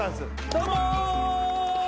どうも！